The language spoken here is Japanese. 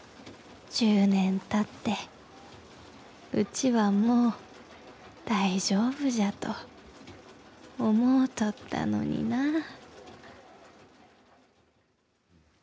１０年たって、うちはもう大丈夫じゃと思うとったのになぁ。